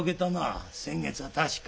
先月は確か。